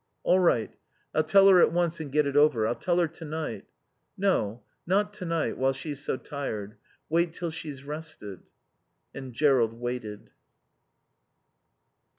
"All right. I'll tell her at once and get it over. I'll tell her tonight." "No. Not tonight, while she's so tired. Wait till she's rested." And Jerrold waited.